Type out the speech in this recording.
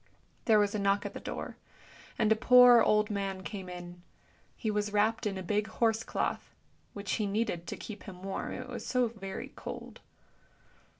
There was a knock at the door, and a poor old man came in; he was wrapped in a big horse cloth, which he needed to keep him warm, it was so very cold.